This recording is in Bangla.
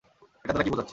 এটা দ্বারা কী বোঝাচ্ছে?